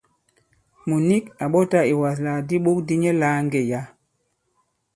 Mùt nik à ɓɔtā ìwaslàk di iɓok di nyɛ lāa ŋgê yǎ.